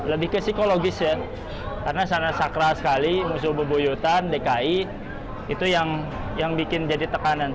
lebih ke psikologis ya karena sana sakral sekali musuh beboyotan dki itu yang bikin jadi tekanan